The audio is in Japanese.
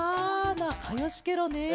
なかよしケロね。